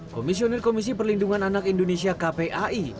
komisioner komisi perlindungan anak indonesia kpai